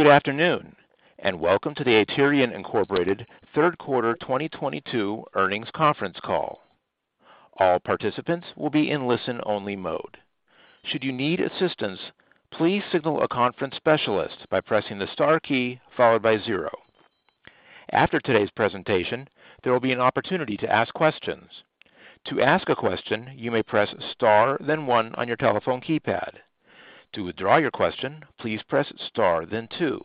Good afternoon, and welcome to the Aterian, Inc. third quarter 2022 earnings conference call. All participants will be in listen-only mode. Should you need assistance, please signal a conference specialist by pressing the star key followed by zero. After today's presentation, there will be an opportunity to ask questions. To ask a question, you may press star then one on your telephone keypad. To withdraw your question, please press star then two.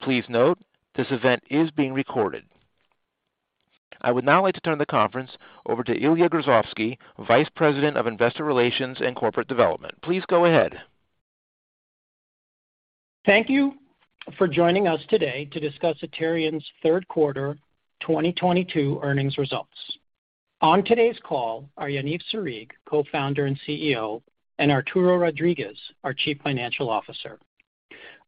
Please note, this event is being recorded. I would now like to turn the conference over to Ilya Grozovsky, Vice President of Investor Relations and Corporate Development. Please go ahead. Thank you for joining us today to discuss Aterian's third quarter 2022 earnings results. On today's call are Yaniv Sarig, Co-founder and CEO, and Arturo Rodriguez, our Chief Financial Officer.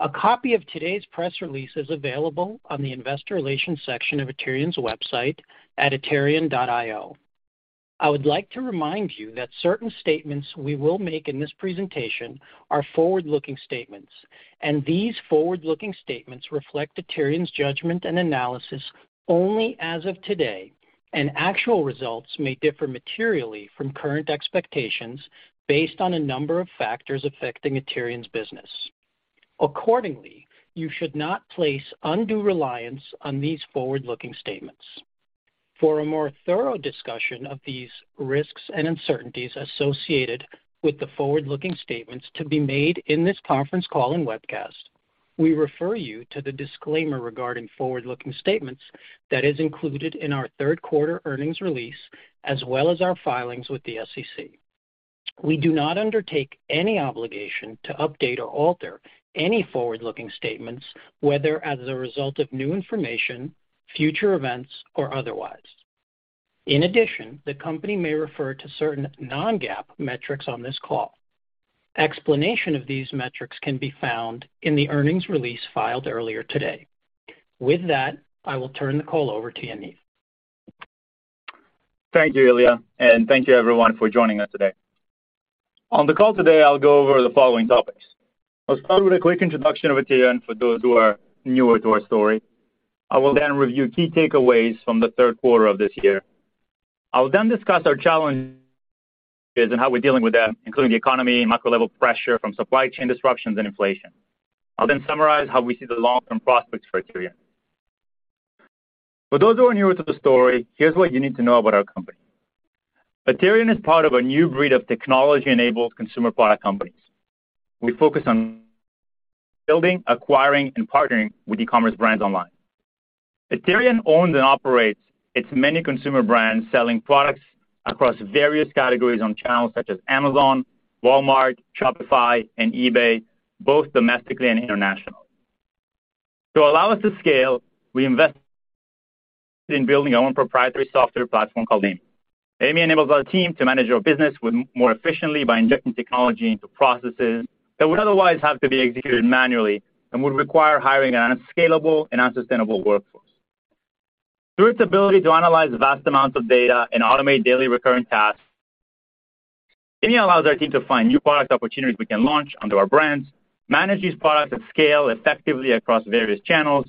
A copy of today's press release is available on the investor relations section of Aterian's website at aterian.io. I would like to remind you that certain statements we will make in this presentation are forward-looking statements. These forward-looking statements reflect Aterian's judgment and analysis only as of today. Actual results may differ materially from current expectations based on a number of factors affecting Aterian's business. Accordingly, you should not place undue reliance on these forward-looking statements. For a more thorough discussion of these risks and uncertainties associated with the forward-looking statements to be made in this conference call and webcast, we refer you to the disclaimer regarding forward-looking statements that is included in our third quarter earnings release, as well as our filings with the SEC. We do not undertake any obligation to update or alter any forward-looking statements, whether as a result of new information, future events, or otherwise. In addition, the company may refer to certain non-GAAP metrics on this call. Explanation of these metrics can be found in the earnings release filed earlier today. With that, I will turn the call over to Yaniv. Thank you, Ilya, and thank you, everyone, for joining us today. On the call today, I'll go over the following topics. I'll start with a quick introduction of Aterian for those who are newer to our story. I will then review key takeaways from the third quarter of this year. I will then discuss our challenges and how we're dealing with them, including the economy and macro level pressure from supply chain disruptions and inflation. I'll then summarize how we see the long-term prospects for Aterian. For those who are newer to the story, here's what you need to know about our company. Aterian is part of a new breed of technology-enabled consumer product companies. We focus on building, acquiring, and partnering with e-commerce brands online. Aterian owns and operates its many consumer brands selling products across various categories on channels such as Amazon, Walmart, Shopify, and eBay, both domestically and internationally. To allow us to scale, we invest in building our own proprietary software platform called AIMEE. AIMEE enables our team to manage our business more efficiently by injecting technology into processes that would otherwise have to be executed manually and would require hiring an unscalable and unsustainable workforce. Through its ability to analyze vast amounts of data and automate daily recurring tasks, AIMEE allows our team to find new product opportunities we can launch under our brands, manage these products at scale effectively across various channels,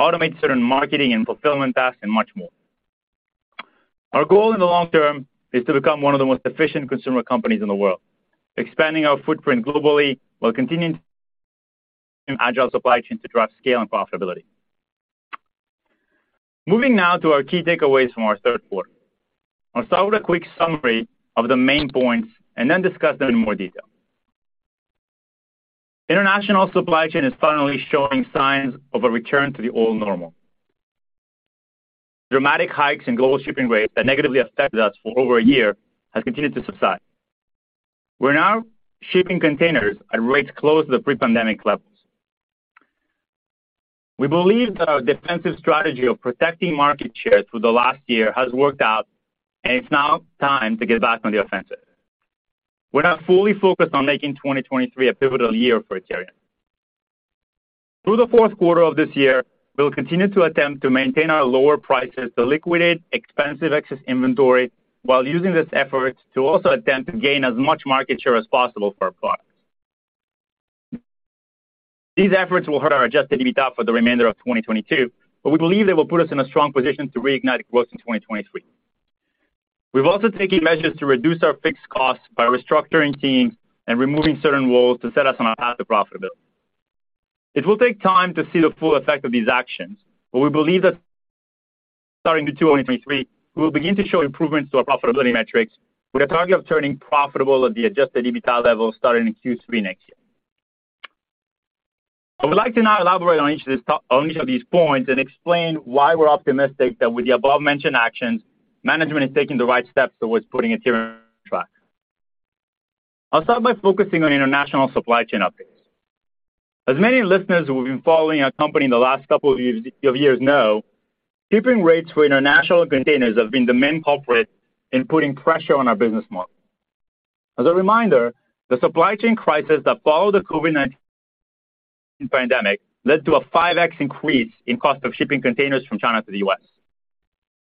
automate certain marketing and fulfillment tasks, and much more. Our goal in the long term is to become one of the most efficient consumer companies in the world, expanding our footprint globally while continuing agile supply chain to drive scale and profitability. To our key takeaways from our third quarter. I'll start with a quick summary of the main points and then discuss them in more detail. International supply chain is finally showing signs of a return to the old normal. Dramatic hikes in global shipping rates that negatively affected us for over a year has continued to subside. We're now shipping containers at rates close to the pre-pandemic levels. We believe that our defensive strategy of protecting market share through the last year has worked out, it's now time to get back on the offensive. We're now fully focused on making 2023 a pivotal year for Aterian. Through the fourth quarter of this year, we will continue to attempt to maintain our lower prices to liquidate expensive excess inventory, while using this effort to also attempt to gain as much market share as possible for our products. These efforts will hurt our adjusted EBITDA for the remainder of 2022, we believe they will put us in a strong position to reignite growth in 2023. We're also taking measures to reduce our fixed costs by restructuring teams and removing certain roles to set us on a path to profitability. It will take time to see the full effect of these actions, we believe that starting in 2023, we will begin to show improvements to our profitability metrics with a target of turning profitable at the adjusted EBITDA level starting in Q3 next year. I would like to now elaborate on each of these points and explain why we're optimistic that with the above-mentioned actions, management is taking the right steps towards putting Aterian back on track. I'll start by focusing on international supply chain updates. As many listeners who have been following our company in the last couple of years know, shipping rates for international containers have been the main culprit in putting pressure on our business model. As a reminder, the supply chain crisis that followed the COVID-19 pandemic led to a 5x increase in cost of shipping containers from China to the U.S.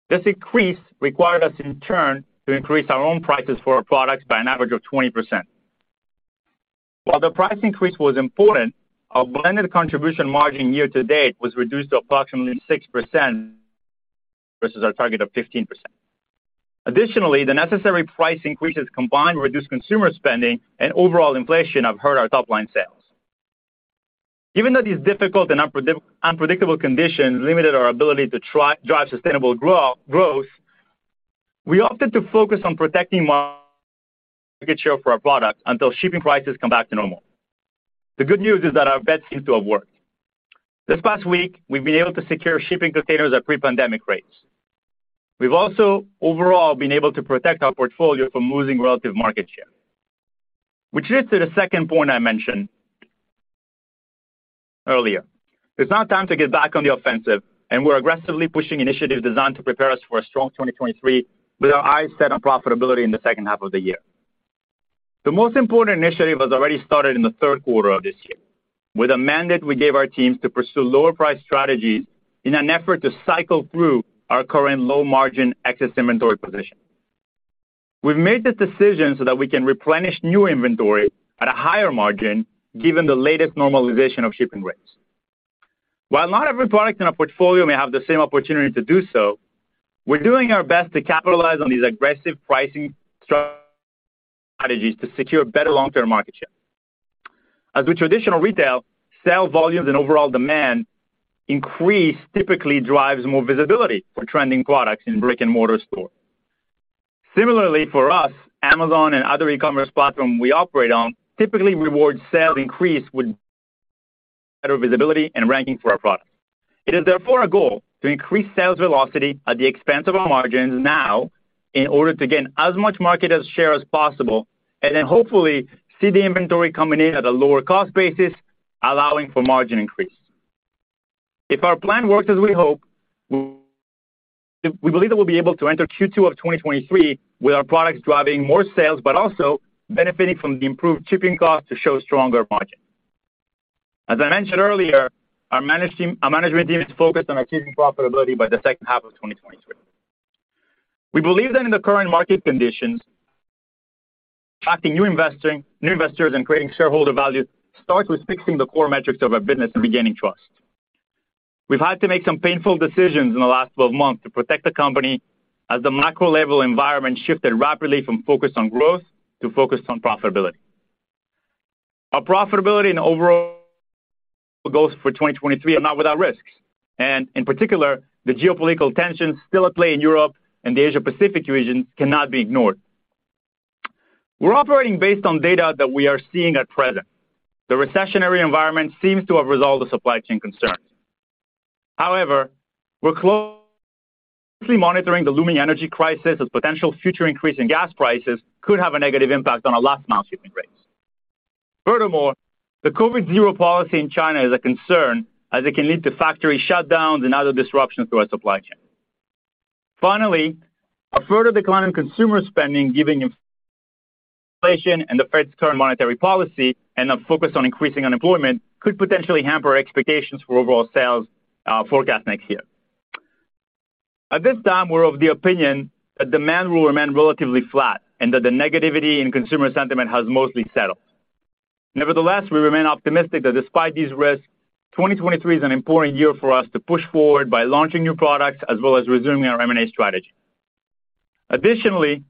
This increase required us in turn to increase our own prices for our products by an average of 20%. While the price increase was important, our blended contribution margin year to date was reduced to approximately 6%, versus our target of 15%. Additionally, the necessary price increases combined with reduced consumer spending and overall inflation have hurt our top line sales. Given that these difficult and unpredictable conditions limited our ability to drive sustainable growth, we opted to focus on protecting market share for our products until shipping prices come back to normal. The good news is that our bet seems to have worked. This past week, we've been able to secure shipping containers at pre-pandemic rates. We've also overall been able to protect our portfolio from losing relative market share. Which leads to the second point I mentioned earlier. It's now time to get back on the offensive, and we're aggressively pushing initiatives designed to prepare us for a strong 2023, with our eyes set on profitability in the second half of the year. The most important initiative was already started in the third quarter of this year, with a mandate we gave our teams to pursue lower price strategies in an effort to cycle through our current low margin excess inventory position. We've made the decision so that we can replenish new inventory at a higher margin, given the latest normalization of shipping rates. While not every product in our portfolio may have the same opportunity to do so, we're doing our best to capitalize on these aggressive pricing strategies to secure better long-term market share. As with traditional retail, sale volumes and overall demand increase typically drives more visibility for trending products in brick and mortar stores. Similarly, for us, Amazon and other e-commerce platforms we operate on typically reward sales increase with better visibility and ranking for our products. It is therefore our goal to increase sales velocity at the expense of our margins now in order to gain as much market share as possible, and then hopefully see the inventory coming in at a lower cost basis, allowing for margin increase. If our plan works as we hope, we believe that we'll be able to enter Q2 of 2023 with our products driving more sales, but also benefiting from the improved shipping costs to show stronger margins. As I mentioned earlier, our management team is focused on achieving profitability by the second half of 2023. We believe that in the current market conditions, attracting new investors and creating shareholder value starts with fixing the core metrics of our business and regaining trust. We've had to make some painful decisions in the last 12 months to protect the company as the macro level environment shifted rapidly from focus on growth to focus on profitability. Our profitability and overall goals for 2023 are not without risks, and in particular, the geopolitical tensions still at play in Europe and the Asia Pacific region cannot be ignored. We're operating based on data that we are seeing at present. The recessionary environment seems to have resolved the supply chain concerns. However, we're closely monitoring the looming energy crisis as potential future increase in gas prices could have a negative impact on our last mile shipping rates. Furthermore, the COVID zero policy in China is a concern as it can lead to factory shutdowns and other disruptions to our supply chain. Finally, a further decline in consumer spending given inflation and the Fed's current monetary policy and a focus on increasing unemployment could potentially hamper expectations for overall sales forecast next year. At this time, we're of the opinion that demand will remain relatively flat and that the negativity in consumer sentiment has mostly settled. Nevertheless, we remain optimistic that despite these risks, 2023 is an important year for us to push forward by launching new products as well as resuming our M&A strategy. Additionally,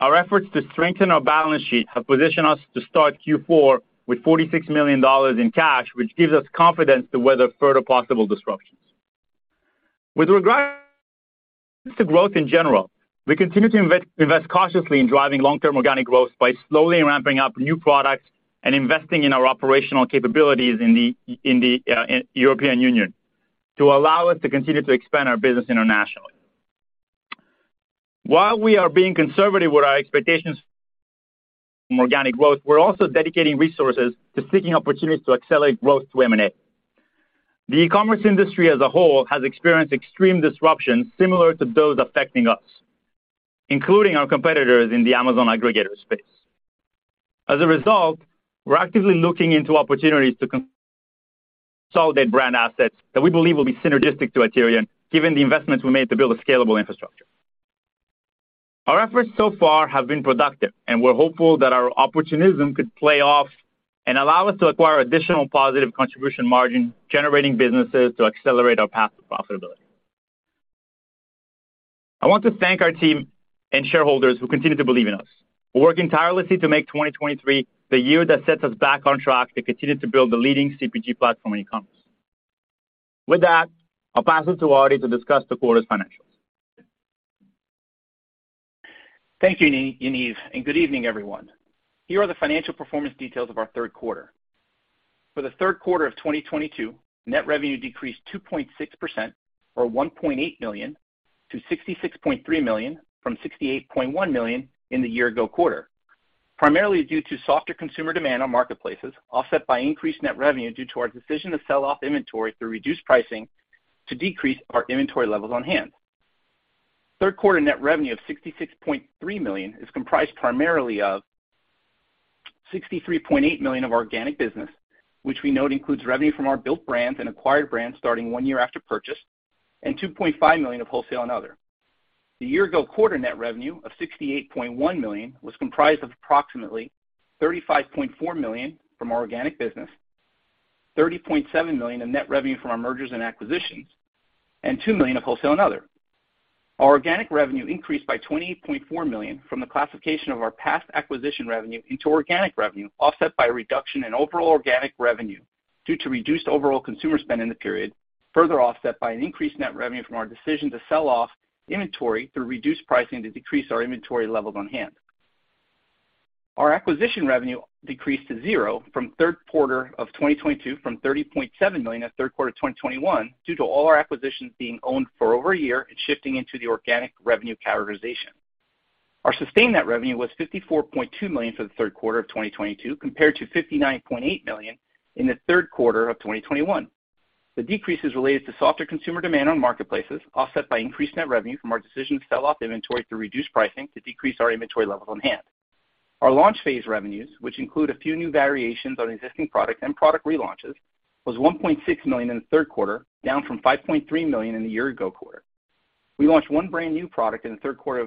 our efforts to strengthen our balance sheet have positioned us to start Q4 with $46 million in cash, which gives us confidence to weather further possible disruptions. With regards to growth in general, we continue to invest cautiously in driving long-term organic growth by slowly ramping up new products and investing in our operational capabilities in the European Union to allow us to continue to expand our business internationally. While we are being conservative with our expectations from organic growth, we're also dedicating resources to seeking opportunities to accelerate growth through M&A. The e-commerce industry as a whole has experienced extreme disruptions similar to those affecting us, including our competitors in the Amazon aggregator space. As a result, we're actively looking into opportunities to consolidate brand assets that we believe will be synergistic to Aterian given the investments we made to build a scalable infrastructure. Our efforts so far have been productive, and we're hopeful that our opportunism could pay off and allow us to acquire additional positive contribution margin generating businesses to accelerate our path to profitability. I want to thank our team and shareholders who continue to believe in us. We're working tirelessly to make 2023 the year that sets us back on track to continue to build the leading CPG platform in e-commerce. With that, I'll pass it to Ari to discuss the quarter's financials. Thank you, Yaniv. Good evening, everyone. Here are the financial performance details of our third quarter. For the third quarter of 2022, net revenue decreased 2.6%, or $1.8 million, to $66.3 million from $68.1 million in the year ago quarter, primarily due to softer consumer demand on marketplaces, offset by increased net revenue due to our decision to sell off inventory through reduced pricing to decrease our inventory levels on hand. Third quarter net revenue of $66.3 million is comprised primarily of $63.8 million of organic business, which we note includes revenue from our built brands and acquired brands starting one year after purchase, and $2.5 million of wholesale and other. The year ago quarter net revenue of $68.1 million was comprised of approximately $35.4 million from our organic business, $30.7 million in net revenue from our mergers and acquisitions, and $2 million of wholesale and other. Our organic revenue increased by $28.4 million from the classification of our past acquisition revenue into organic revenue, offset by a reduction in overall organic revenue due to reduced overall consumer spend in the period, further offset by an increased net revenue from our decision to sell off inventory through reduced pricing to decrease our inventory levels on hand. Our acquisition revenue decreased to zero from third quarter of 2022, from $30.7 million at third quarter 2021, due to all our acquisitions being owned for over a year and shifting into the organic revenue categorization. Our sustained net revenue was $54.2 million for the third quarter of 2022, compared to $59.8 million in the third quarter of 2021. The decrease is related to softer consumer demand on marketplaces, offset by increased net revenue from our decision to sell off inventory through reduced pricing to decrease our inventory levels on hand. Our launch phase revenues, which include a few new variations on existing product and product relaunches, was $1.6 million in the third quarter, down from $5.3 million in the year ago quarter. We launched one brand new product in the third quarter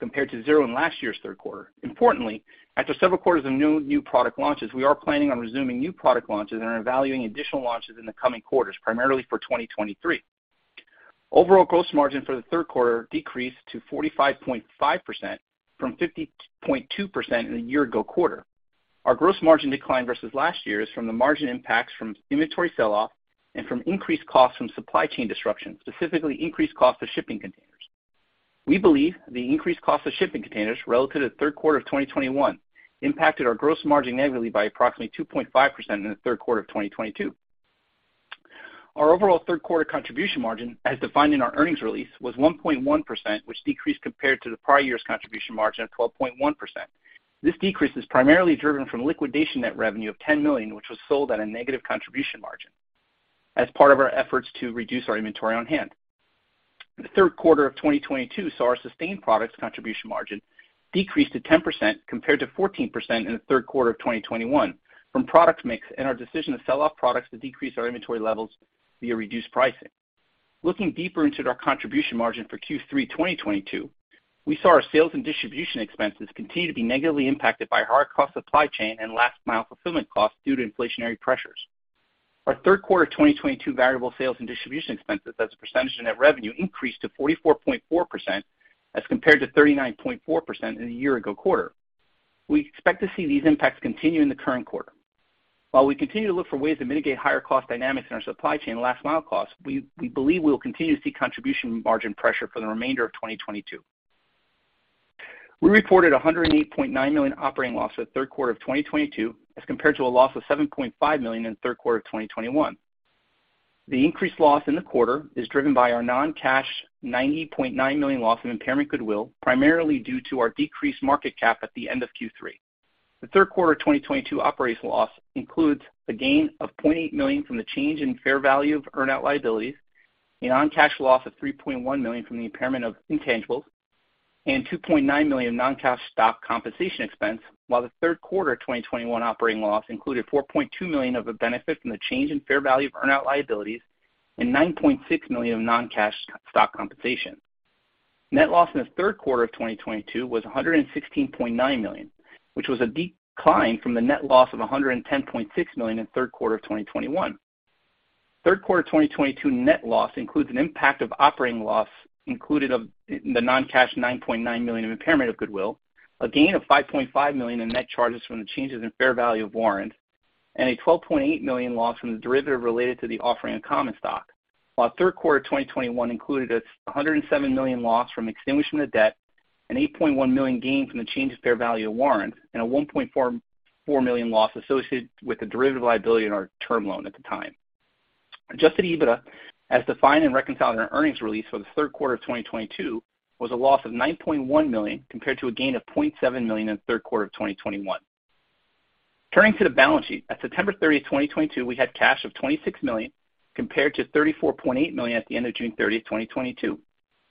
compared to zero in last year's third quarter. Importantly, after several quarters of no new product launches, we are planning on resuming new product launches and are evaluating additional launches in the coming quarters, primarily for 2023. Overall gross margin for the third quarter decreased to 45.5% from 50.2% in the year ago quarter. Our gross margin decline versus last year is from the margin impacts from inventory sell-off and from increased costs from supply chain disruptions, specifically increased cost of shipping containers. We believe the increased cost of shipping containers relative to third quarter of 2021 impacted our gross margin negatively by approximately 2.5% in the third quarter of 2022. Our overall third quarter contribution margin, as defined in our earnings release, was 1.1%, which decreased compared to the prior year's contribution margin of 12.1%. This decrease is primarily driven from liquidation net revenue of $10 million, which was sold at a negative contribution margin as part of our efforts to reduce our inventory on hand. The third quarter of 2022 saw our sustained products contribution margin decrease to 10%, compared to 14% in the third quarter of 2021 from product mix and our decision to sell off products to decrease our inventory levels via reduced pricing. Looking deeper into our contribution margin for Q3 2022, we saw our sales and distribution expenses continue to be negatively impacted by higher cost supply chain and last mile fulfillment costs due to inflationary pressures. Our third quarter 2022 variable sales and distribution expenses as a percentage of net revenue increased to 44.4%, as compared to 39.4% in the year ago quarter. We expect to see these impacts continue in the current quarter. While we continue to look for ways to mitigate higher cost dynamics in our supply chain and last mile costs, we believe we will continue to see contribution margin pressure for the remainder of 2022. We reported $108.9 million operating loss at third quarter of 2022 as compared to a loss of $7.5 million in the third quarter of 2021. The increased loss in the quarter is driven by our non-cash $90.9 million loss of impairment goodwill, primarily due to our decreased market cap at the end of Q3. The third quarter 2022 operating loss includes a gain of $0.8 million from the change in fair value of earn out liabilities, a non-cash loss of $3.1 million from the impairment of intangibles, and $2.9 million of non-cash stock compensation expense, while the third quarter 2021 operating loss included $4.2 million of a benefit from the change in fair value of earn out liabilities and $9.6 million of non-cash stock compensation. Net loss in the third quarter of 2022 was $116.9 million, which was a decline from the net loss of $110.6 million in third quarter of 2021. Third quarter 2022 net loss includes an impact of operating loss included of the non-cash $90.9 million of impairment of goodwill, a gain of $5.5 million in net charges from the changes in fair value of warrants, and a $12.8 million loss from the derivative related to the offering of common stock. While third quarter 2021 included a $107 million loss from extinguishment of debt, an $8.1 million gain from the change of fair value of warrants, and a $1.4 million loss associated with the derivative liability in our term loan at the time. Adjusted EBITDA, as defined and reconciled in our earnings release for the third quarter of 2022, was a loss of $9.1 million, compared to a gain of $0.7 million in the third quarter of 2021. Turning to the balance sheet, at September 30, 2022, we had cash of $26 million, compared to $34.8 million at the end of June 30, 2022.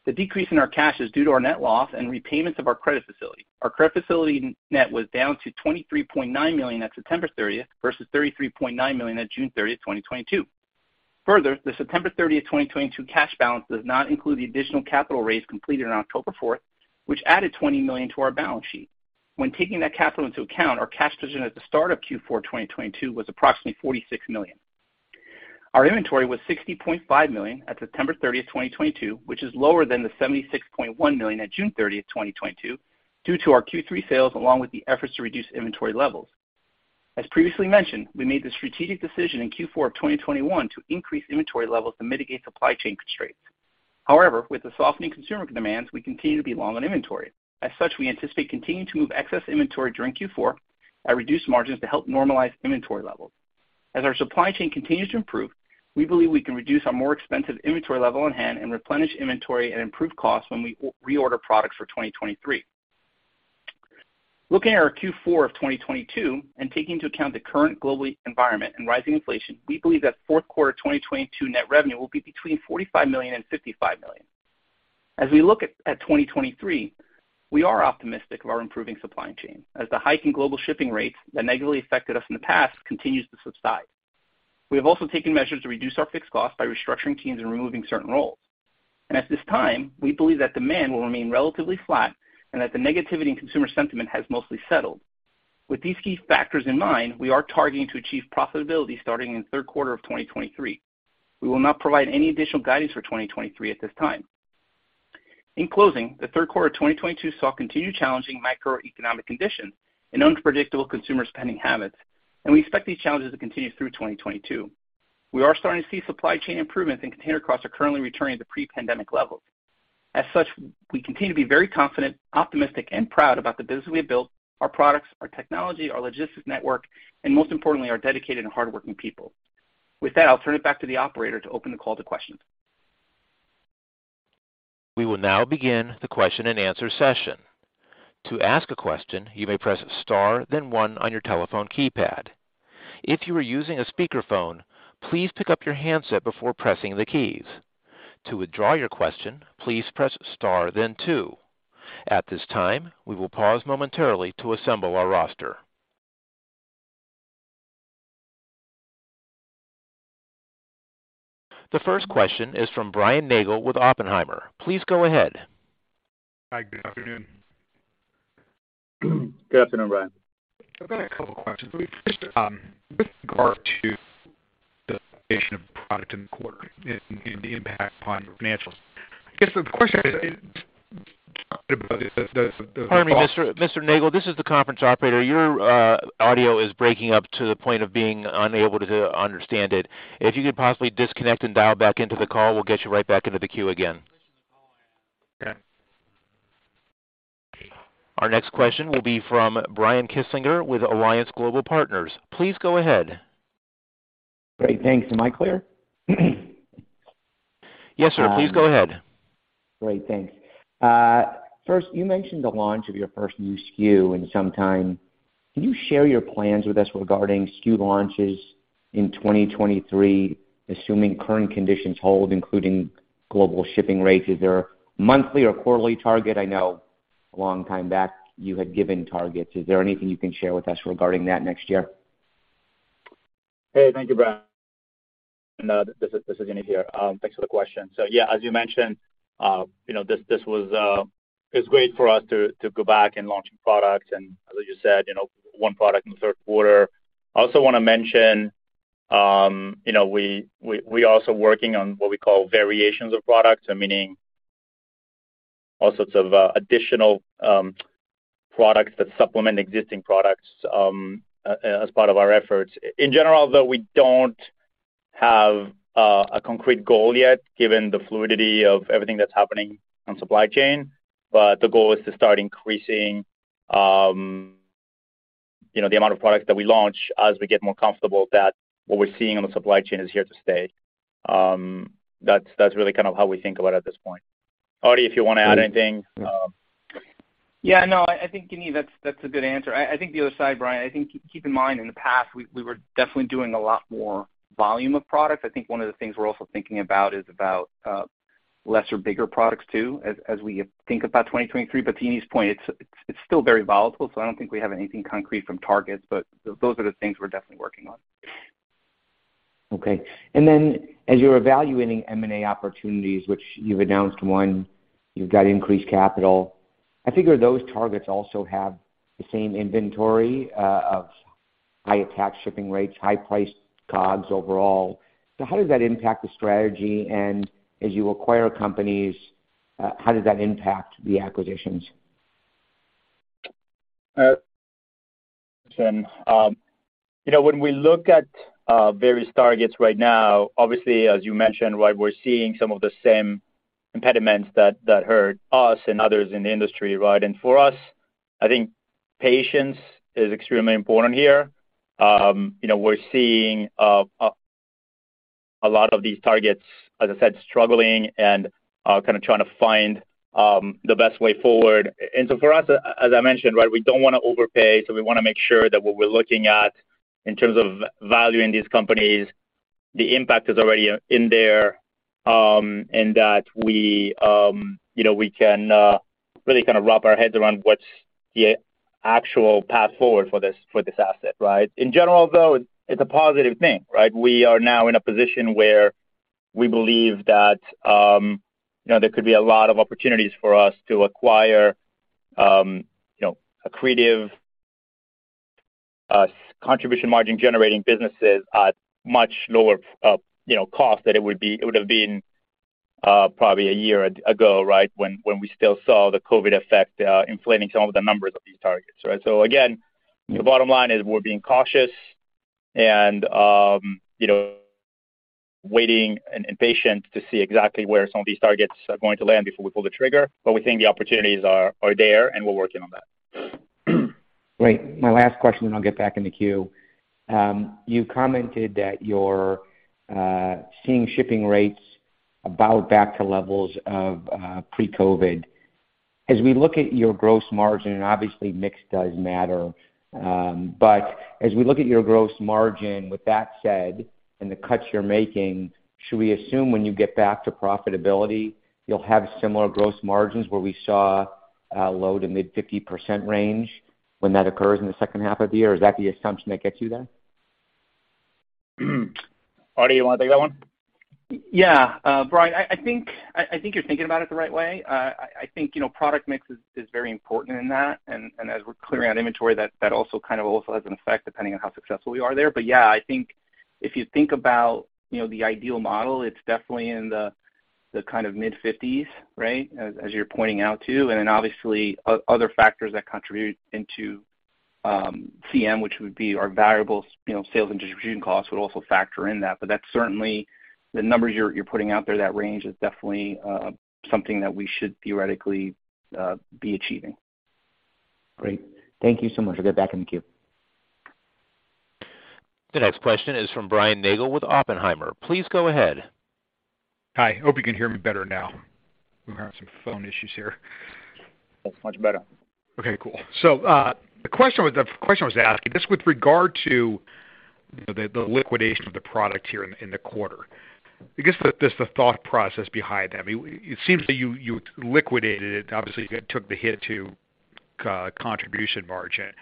The decrease in our cash is due to our net loss and repayments of our credit facility. Our credit facility net was down to $23.9 million at September 30th versus $33.9 million at June 30th, 2022. Further, the September 30th, 2022 cash balance does not include the additional capital raise completed on October 4th, which added $20 million to our balance sheet. When taking that capital into account, our cash position at the start of Q4 2022 was approximately $46 million. Our inventory was $60.5 million at September 30th, 2022, which is lower than the $76.1 million at June 30th, 2022, due to our Q3 sales along with the efforts to reduce inventory levels. As previously mentioned, we made the strategic decision in Q4 of 2021 to increase inventory levels to mitigate supply chain constraints. However, with the softening consumer demands, we continue to be long on inventory. As such, we anticipate continuing to move excess inventory during Q4 at reduced margins to help normalize inventory levels. As our supply chain continues to improve, we believe we can reduce our more expensive inventory level on hand and replenish inventory at improved costs when we reorder products for 2023. Looking at our Q4 of 2022 and taking into account the current global environment and rising inflation, we believe that fourth quarter 2022 net revenue will be between $45 million and $55 million. As we look at 2023, we are optimistic of our improving supply chain, as the hike in global shipping rates that negatively affected us in the past continues to subside. We have also taken measures to reduce our fixed costs by restructuring teams and removing certain roles. At this time, we believe that demand will remain relatively flat and that the negativity in consumer sentiment has mostly settled. With these key factors in mind, we are targeting to achieve profitability starting in the third quarter of 2023. We will not provide any additional guidance for 2023 at this time. In closing, the third quarter of 2022 saw continued challenging macroeconomic conditions and unpredictable consumer spending habits. We expect these challenges to continue through 2022. We are starting to see supply chain improvements, and container costs are currently returning to pre-pandemic levels. As such, we continue to be very confident, optimistic, and proud about the business we have built, our products, our technology, our logistics network, and most importantly, our dedicated and hardworking people. With that, I'll turn it back to the operator to open the call to questions. We will now begin the question and answer session. To ask a question, you may press star then one on your telephone keypad. If you are using a speakerphone, please pick up your handset before pressing the keys. To withdraw your question, please press star then two. At this time, we will pause momentarily to assemble our roster. The first question is from Brian Nagel with Oppenheimer. Please go ahead. Hi, good afternoon. Good afternoon, Brian. I've got a couple questions. With regard to the location of product in the quarter and the impact upon your financials, I guess the question is, Pardon me, Mr. Nagel. This is the conference operator. Your audio is breaking up to the point of being unable to understand it. If you could possibly disconnect and dial back into the call, we'll get you right back into the queue again. Okay. Our next question will be from Brian Kinstlinger with Alliance Global Partners. Please go ahead. Great, thanks. Am I clear? Yes, sir. Please go ahead. Great, thanks. First, you mentioned the launch of your first new SKU in some time. Can you share your plans with us regarding SKU launches in 2023, assuming current conditions hold, including global shipping rates? Is there a monthly or quarterly target? I know a long time back you had given targets. Is there anything you can share with us regarding that next year? Hey, thank you, Brian. This is Yaniv here. Thanks for the question. Yeah, as you mentioned, it's great for us to go back and launch products and, as you said, one product in the third quarter. I also want to mention we also working on what we call variations of products, meaning all sorts of additional products that supplement existing products as part of our efforts. In general, though, we don't have a concrete goal yet, given the fluidity of everything that's happening on supply chain. The goal is to start increasing the amount of products that we launch as we get more comfortable that what we're seeing on the supply chain is here to stay. That's really kind of how we think about it at this point. Artie, if you want to add anything. Yeah, no, I think, Yaniv, that's a good answer. I think the other side, Brian, I think, keep in mind, in the past, we were definitely doing a lot more volume of product. I think one of the things we're also thinking about is about lesser, bigger products, too, as we think about 2023. To Yaniv's point, it's still very volatile, I don't think we have anything concrete from targets. Those are the things we're definitely working on. Okay. As you're evaluating M&A opportunities, which you've announced one, you've got increased capital, I figure those targets also have the same inventory of high attached shipping rates, high priced COGS overall. How does that impact the strategy? As you acquire companies, how does that impact the acquisitions? When we look at various targets right now, obviously, as you mentioned, we're seeing some of the same impediments that hurt us and others in the industry. For us, I think patience is extremely important here. We're seeing a lot of these targets, as I said, struggling and kind of trying to find the best way forward. For us, as I mentioned, we don't want to overpay, we want to make sure that what we're looking at in terms of valuing these companies, the impact is already in there, and that we can really kind of wrap our heads around what's the actual path forward for this asset. In general, though, it's a positive thing. We are now in a position where we believe that there could be a lot of opportunities for us to acquire accretive contribution margin generating businesses at much lower cost than it would have been probably a year ago when we still saw the COVID effect inflating some of the numbers of these targets. Again, the bottom line is we're being cautious and waiting and patient to see exactly where some of these targets are going to land before we pull the trigger. We think the opportunities are there, and we're working on that. Great. My last question, then I'll get back in the queue. You commented that you're seeing shipping rates about back to levels of pre-COVID. As we look at your gross margin, obviously mix does matter, as we look at your gross margin, with that said, and the cuts you're making, should we assume when you get back to profitability, you'll have similar gross margins where we saw low to mid 50% range when that occurs in the second half of the year? Is that the assumption that gets you there? Artie, you want to take that one? Yeah. Brian, I think you're thinking about it the right way. I think product mix is very important in that. As we're clearing out inventory, that also kind of has an effect depending on how successful we are there. Yeah, I think if you think about the ideal model, it's definitely in the kind of mid-50s, right, as you're pointing out too. Then obviously other factors that contribute into CM, which would be our variable sales and distribution costs would also factor in that. That's certainly the numbers you're putting out there, that range is definitely something that we should theoretically be achieving. Great. Thank you so much. I'll get back in the queue. The next question is from Brian Nagel with Oppenheimer. Please go ahead. Hi. Hope you can hear me better now. We were having some phone issues here. Much better. Okay, cool. The question I was asking, just with regard to the liquidation of the product here in the quarter, I guess just the thought process behind that. It seems that you liquidated it, obviously you took the hit to contribution margin.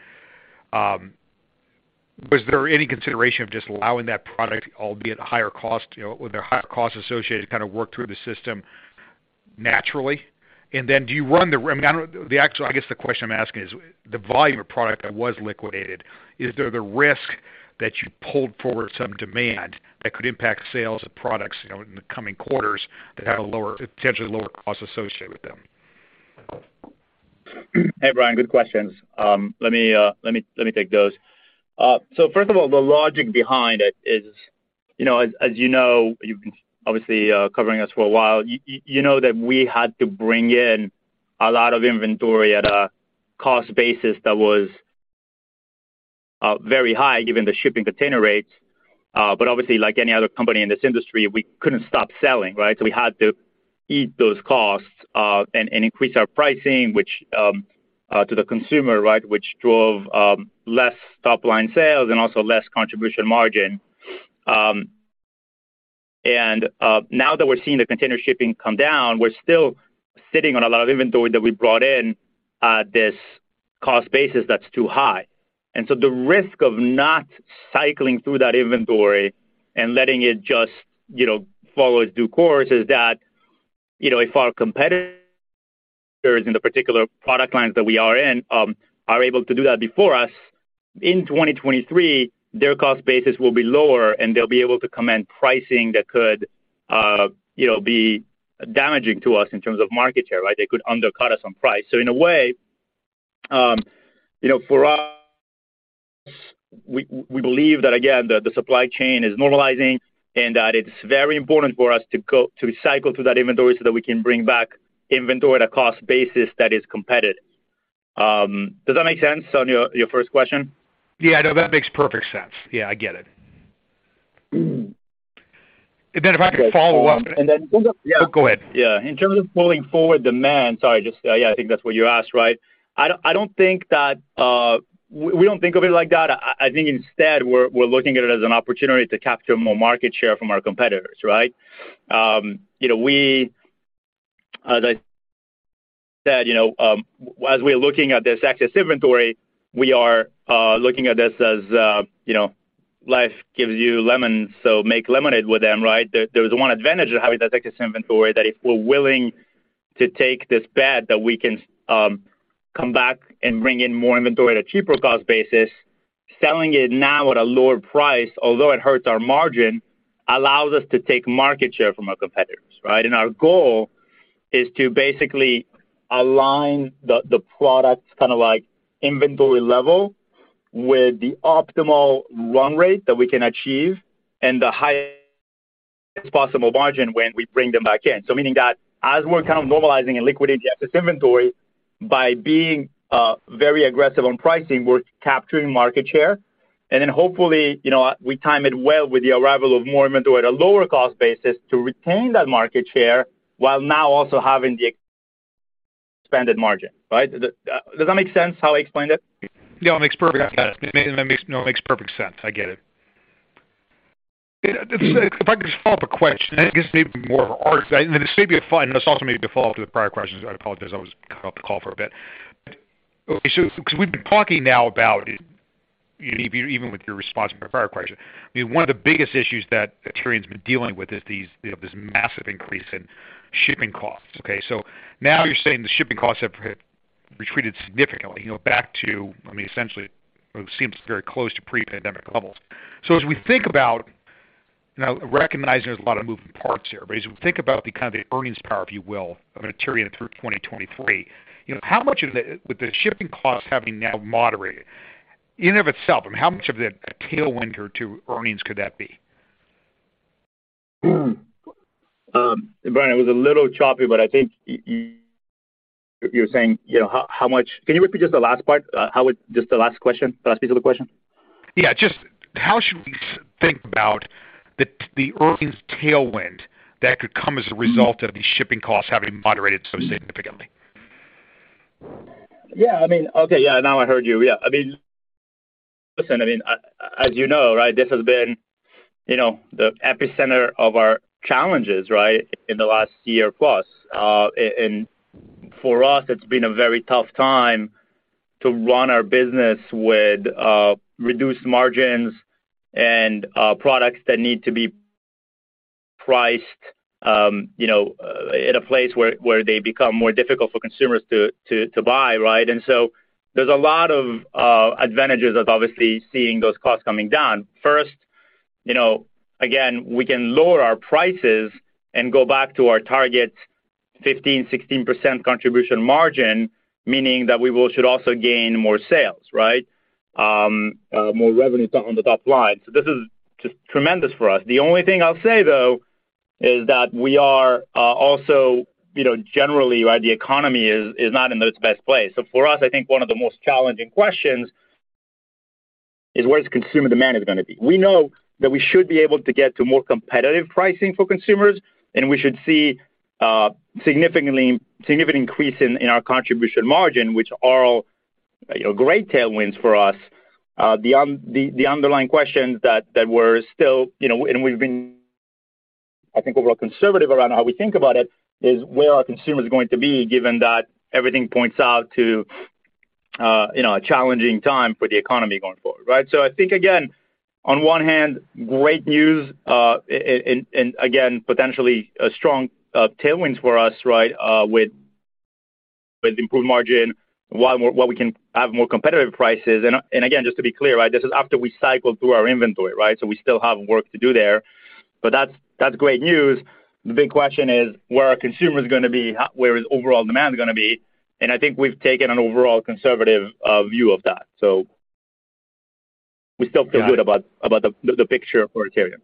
Was there any consideration of just allowing that product, albeit higher cost, with the higher costs associated, to kind of work through the system naturally? Do you run the I guess the question I'm asking is, the volume of product that was liquidated, is there the risk that you pulled forward some demand that could impact sales of products in the coming quarters that have a potentially lower cost associated with them? Hey, Brian, good questions. Let me take those. First of all, the logic behind it is, as you know, you've been obviously covering us for a while, you know that we had to bring in a lot of inventory at a cost basis that was very high given the shipping container rates. Obviously, like any other company in this industry, we couldn't stop selling, right? We had to eat those costs and increase our pricing, to the consumer, which drove less top-line sales and also less contribution margin. Now that we're seeing the container shipping come down, we're still sitting on a lot of inventory that we brought in at this cost basis that's too high. The risk of not cycling through that inventory and letting it just follow its due course is that, if our competitors in the particular product lines that we are in are able to do that before us, in 2023, their cost basis will be lower, and they'll be able to come in pricing that could be damaging to us in terms of market share, right? They could undercut us on price. In a way, for us, we believe that, again, the supply chain is normalizing and that it's very important for us to cycle through that inventory so that we can bring back inventory at a cost basis that is competitive. Does that make sense on your first question? Yeah, no, that makes perfect sense. Yeah, I get it. If I could follow up- And then- Oh, go ahead. Yeah. In terms of pulling forward demand, sorry, yeah, I think that's what you asked, right? We don't think of it like that. I think instead, we're looking at it as an opportunity to capture more market share from our competitors, right? As I said, as we are looking at this excess inventory, we are looking at this as life gives you lemons, so make lemonade with them, right? There's one advantage of having that excess inventory, that if we're willing to take this bet that we can come back and bring in more inventory at a cheaper cost basis, selling it now at a lower price, although it hurts our margin, allows us to take market share from our competitors, right? Our goal is to basically align the product inventory level with the optimal run rate that we can achieve and the highest possible margin when we bring them back in. Meaning that as we're normalizing and liquidating excess inventory, by being very aggressive on pricing, we're capturing market share. Hopefully, we time it well with the arrival of more inventory at a lower cost basis to retain that market share while now also having the expanded margin, right? Does that make sense how I explained it? It makes perfect sense. I get it. Brian, can you repeat the last piece of the question? How should we think about the earnings tailwind that could come as a result of these shipping costs having moderated so significantly? Yeah. Okay. Yeah, now I heard you. Yeah. Listen, as you know, this has been the epicenter of our challenges in the last year plus. For us, it's been a very tough time to run our business with reduced margins and products that need to be priced in a place where they become more difficult for consumers to buy. There's a lot of advantages of obviously seeing those costs coming down. First, again, we can lower our prices and go back to our target 15%, 16% contribution margin, meaning that we should also gain more sales. More revenue on the top line. This is just tremendous for us. The only thing I'll say, though, is that we are also, generally, the economy is not in its best place. For us, I think one of the most challenging questions is where is consumer demand is going to be? We know that we should be able to get to more competitive pricing for consumers, and we should see significant increase in our contribution margin, which are all great tailwinds for us. The underlying questions that we're still, and we've been, I think, overall conservative around how we think about it, is where are consumers going to be, given that everything points out to a challenging time for the economy going forward. I think, again, on one hand, great news, and again, potentially strong tailwinds for us with improved margin, while we can have more competitive prices. Again, just to be clear, this is after we cycle through our inventory. We still have work to do there, but that's great news. The big question is, where are consumers going to be? Where is overall demand going to be? I think we've taken an overall conservative view of that. We still feel good about the picture for Aterian.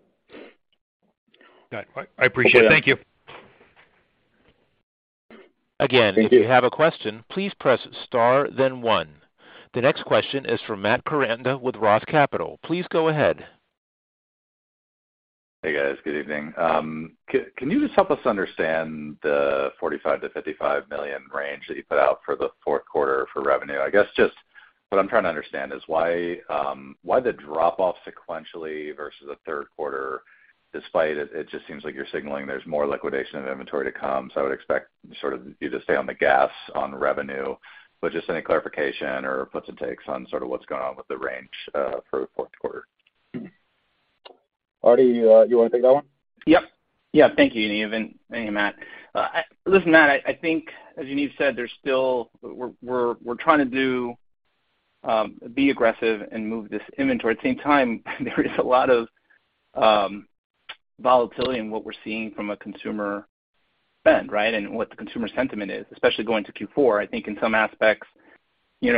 Got it. I appreciate it. Thank you. Thank you. Again, if you have a question, please press star, then one. The next question is from Matt Koranda with Roth Capital. Please go ahead. Hey, guys. Good evening. Can you just help us understand the $45 million-$55 million range that you put out for the fourth quarter for revenue? I guess just what I'm trying to understand is why the drop-off sequentially versus the third quarter, despite it just seems like you're signaling there's more liquidation of inventory to come. I would expect sort of you to stay on the gas on revenue, but just any clarification or puts and takes on sort of what's going on with the range for fourth quarter? Artie, you want to take that one? Yep. Yeah. Thank you, Yaniv, and thank you, Matt. Listen, Matt, I think as Yaniv said, we're trying to be aggressive and move this inventory. At the same time, there is a lot of volatility in what we're seeing from a consumer spend, and what the consumer sentiment is, especially going to Q4. I think in some aspects, we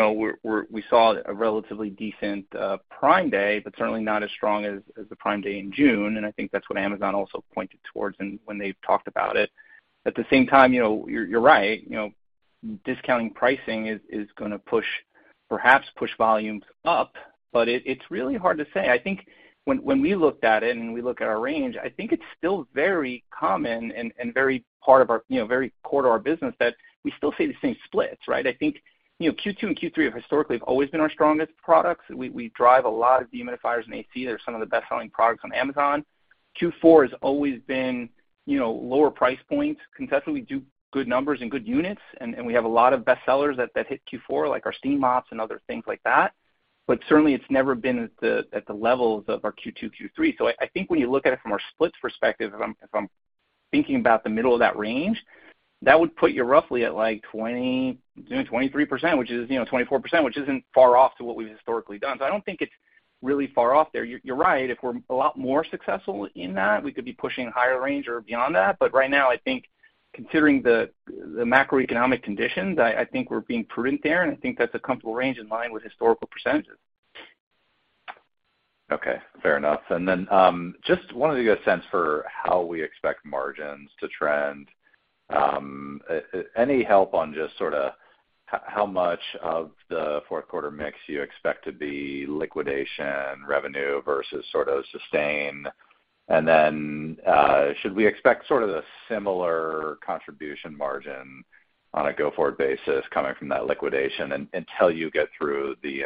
saw a relatively decent Prime Day, but certainly not as strong as the Prime Day in June, and I think that's what Amazon also pointed towards when they've talked about it. At the same time, you're right. Discounting pricing is going to perhaps push volumes up, but it's really hard to say. I think when we looked at it and we look at our range, I think it's still very common and very core to our business that we still see the same splits. I think Q2 and Q3 have historically always been our strongest products. We drive a lot of dehumidifiers and AC. They're some of the best-selling products on Amazon. Q4 has always been lower price points. Consistently do good numbers and good units, and we have a lot of best sellers that hit Q4, like our steam mops and other things like that. Certainly, it's never been at the levels of our Q2, Q3. I think when you look at it from our splits perspective, if I'm thinking about the middle of that range, that would put you roughly at 23%, which is 24%, which isn't far off to what we've historically done. I don't think it's really far off there. You're right. If we're a lot more successful in that, we could be pushing higher range or beyond that. Right now, I think considering the macroeconomic conditions, I think we're being prudent there, and I think that's a comfortable range in line with historical percentages. Okay. Fair enough. Just wanted to get a sense for how we expect margins to trend. Any help on just sort of how much of the fourth quarter mix you expect to be liquidation revenue versus sort of sustain? Should we expect sort of the similar contribution margin on a go-forward basis coming from that liquidation until you get through the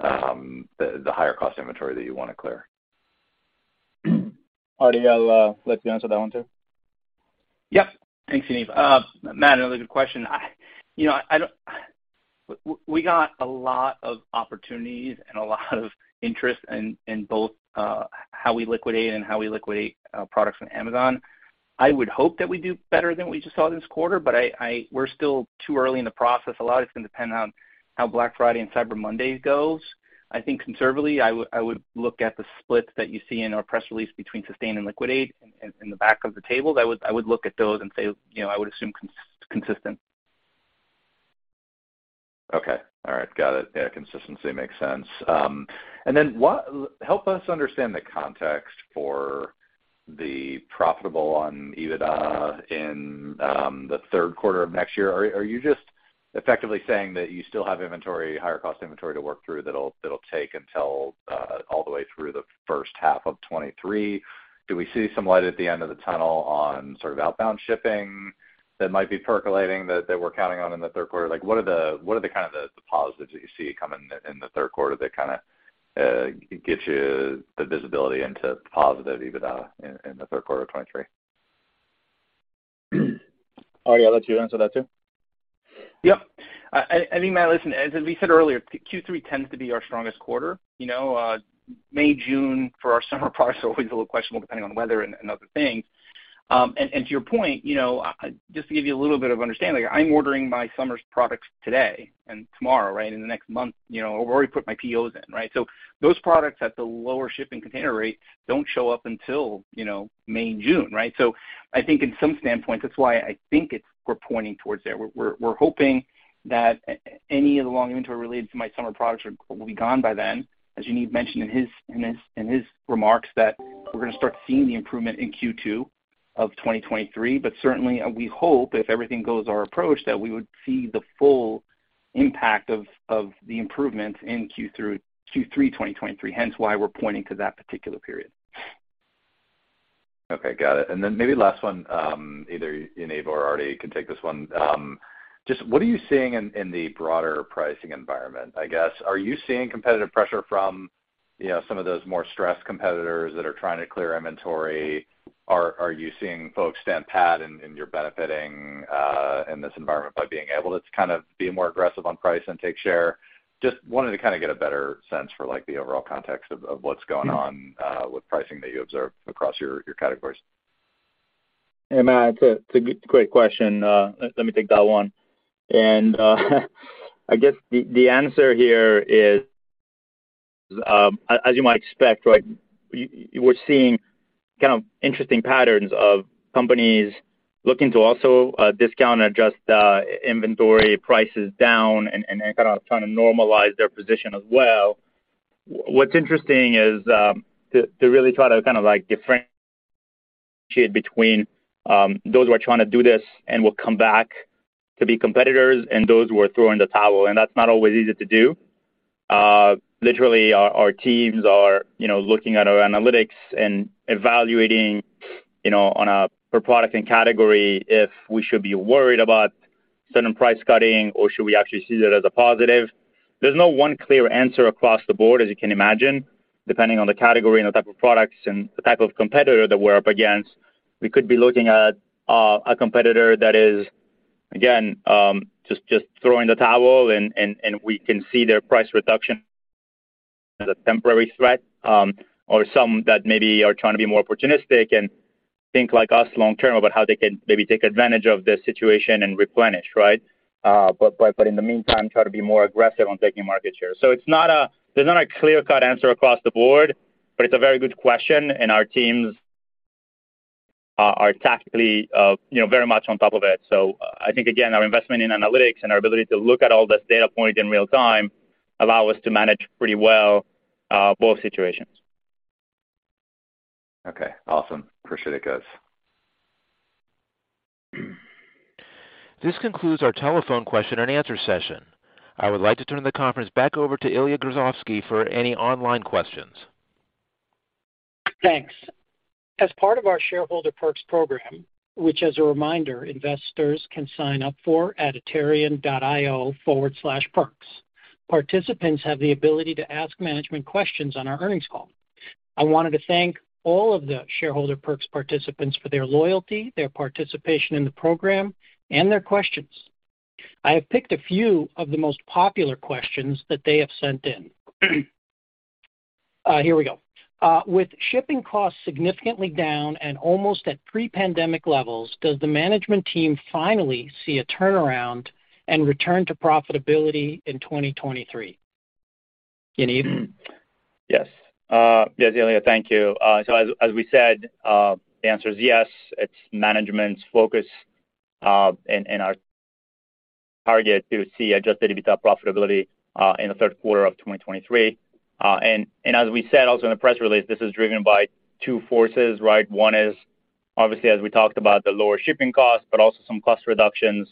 higher cost inventory that you want to clear? Artie, I'll let you answer that one, too. Yep. Thanks, Yaniv. Matt, another good question. We got a lot of opportunities and a lot of interest in both how we liquidate and how we liquidate products from Amazon. I would hope that we do better than we just saw this quarter, we're still too early in the process. A lot is going to depend on how Black Friday and Cyber Monday goes. I think conservatively, I would look at the splits that you see in our press release between sustain and liquidate in the back of the tables. I would look at those and say I would assume consistent. Okay. All right. Got it. Yeah, consistency makes sense. Help us understand the context for Be profitable on EBITDA in the third quarter of next year. Are you just effectively saying that you still have higher cost inventory to work through that'll take until all the way through the first half of 2023? Do we see some light at the end of the tunnel on sort of outbound shipping that might be percolating that we're counting on in the third quarter? What are the kind of the positives that you see coming in the third quarter that kind of get you the visibility into positive EBITDA in the third quarter of 2023? Artie, I'll let you answer that, too. Yep. I mean, Matt, listen, as we said earlier, Q3 tends to be our strongest quarter. May, June for our summer products are always a little questionable depending on weather and other things. To your point, just to give you a little bit of understanding, I'm ordering my summer products today and tomorrow, right, in the next month. I've already put my POs in, right? Those products at the lower shipping container rate don't show up until May and June, right? I think in some standpoint, that's why I think we're pointing towards there. We're hoping that any of the long inventory related to my summer products will be gone by then, as Yaniv mentioned in his remarks that we're going to start seeing the improvement in Q2 of 2023. Certainly, we hope if everything goes our approach, that we would see the full impact of the improvements in Q3 2023, hence why we're pointing to that particular period. Okay, got it. Maybe last one, either Yaniv or Artie can take this one. Just what are you seeing in the broader pricing environment, I guess? Are you seeing competitive pressure from some of those more stressed competitors that are trying to clear inventory? Are you seeing folks stampede and you're benefiting in this environment by being able to kind of be more aggressive on price and take share? Just wanted to kind of get a better sense for the overall context of what's going on with pricing that you observe across your categories. Hey, Matt, it's a great question. Let me take that one. I guess the answer here is, as you might expect, right, we're seeing kind of interesting patterns of companies looking to also discount or adjust inventory prices down and then kind of trying to normalize their position as well. What's interesting is to really try to kind of differentiate between those who are trying to do this and will come back to be competitors and those who are throwing in the towel, and that's not always easy to do. Literally, our teams are looking at our analytics and evaluating per product and category if we should be worried about certain price cutting or should we actually see that as a positive. There's no one clear answer across the board, as you can imagine, depending on the category and the type of products and the type of competitor that we're up against. We could be looking at a competitor that is, again, just throwing the towel, and we can see their price reduction as a temporary threat. Some that maybe are trying to be more opportunistic and think like us long term about how they can maybe take advantage of the situation and replenish, right? In the meantime, try to be more aggressive on taking market share. There's not a clear-cut answer across the board, but it's a very good question, and our teams are tactically very much on top of it. I think, again, our investment in analytics and our ability to look at all this data point in real time allow us to manage pretty well both situations. Okay, awesome. Appreciate it, guys. This concludes our telephone question and answer session. I would like to turn the conference back over to Ilya Grozovsky for any online questions. Thanks. As part of our Shareholder Perks Program, which, as a reminder, investors can sign up for at aterian.io/perks, participants have the ability to ask management questions on our earnings call. I wanted to thank all of the Shareholder Perks participants for their loyalty, their participation in the program, and their questions. I have picked a few of the most popular questions that they have sent in. Here we go. With shipping costs significantly down and almost at pre-pandemic levels, does the management team finally see a turnaround and return to profitability in 2023? Yaniv? Yes. Yes, Ilya, thank you. As we said, the answer is yes. It's management's focus and our target to see adjusted EBITDA profitability in the third quarter of 2023. As we said also in the press release, this is driven by two forces, right? One is obviously, as we talked about, the lower shipping costs, but also some cost reductions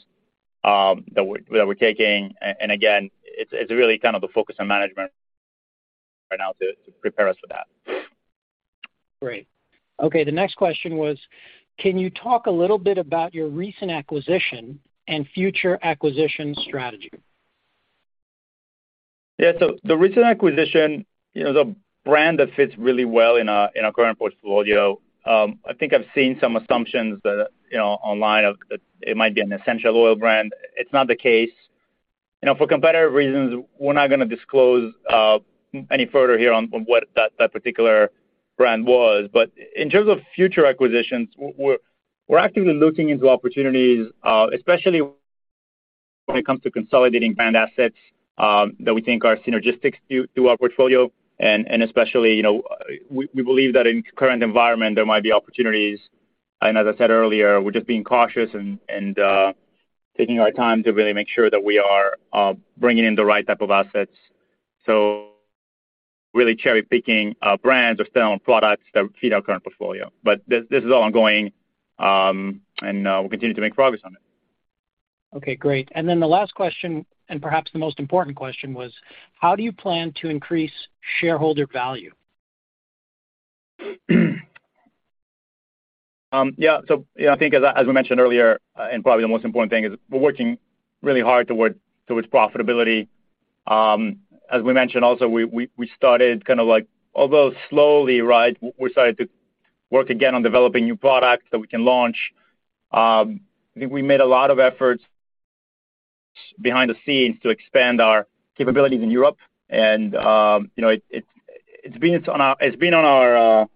that we're taking. Again, it's really kind of the focus on management right now to prepare us for that. Great. Okay, the next question was, can you talk a little bit about your recent acquisition and future acquisition strategy? Yeah. The recent acquisition is a brand that fits really well in our current portfolio. I think I've seen some assumptions online that it might be an essential oil brand. It's not the case. For competitive reasons, we're not going to disclose any further here on what that particular brand was. In terms of future acquisitions, we're actively looking into opportunities, especially when it comes to consolidating brand assets that we think are synergistic to our portfolio. Especially, we believe that in current environment, there might be opportunities. As I said earlier, we're just being cautious and taking our time to really make sure that we are bringing in the right type of assets So really cherry-picking brands or selling products that fit our current portfolio. This is all ongoing, and we'll continue to make progress on it. Okay, great. Then the last question, and perhaps the most important question was: how do you plan to increase shareholder value? Yeah. I think as we mentioned earlier, and probably the most important thing is we're working really hard towards profitability. As we mentioned also, we started kind of like, although slowly, right? We started to work again on developing new products that we can launch. I think we made a lot of efforts behind the scenes to expand our capabilities in Europe. It's been on our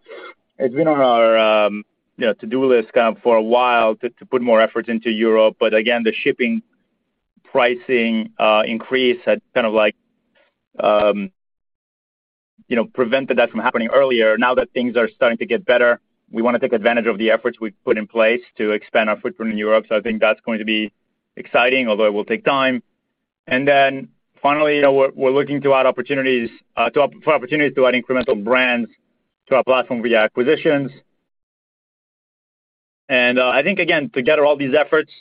to-do list for a while to put more efforts into Europe. Again, the shipping pricing increase had kind of prevented that from happening earlier. Now that things are starting to get better, we want to take advantage of the efforts we've put in place to expand our footprint in Europe. I think that's going to be exciting, although it will take time. Then finally, we're looking for opportunities to add incremental brands to our platform via acquisitions. I think, again, together, all these efforts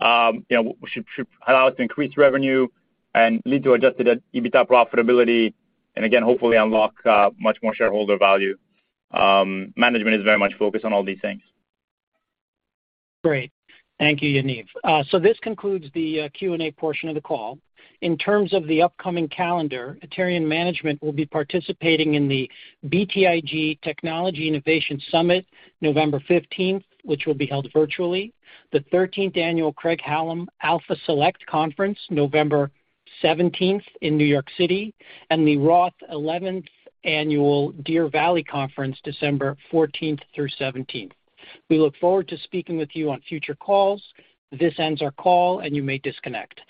should allow us to increase revenue and lead to adjusted EBITDA profitability, and again, hopefully unlock much more shareholder value. Management is very much focused on all these things. Great. Thank you, Yaniv. This concludes the Q&A portion of the call. In terms of the upcoming calendar, Aterian management will be participating in the BTIG Technology Innovation Summit November 15th, which will be held virtually. The 13th Annual Craig-Hallum Alpha Select Conference, November 17th in New York City, and the Roth 11th Annual Deer Valley Conference, December 14th through 17th. We look forward to speaking with you on future calls. This ends our call, and you may disconnect.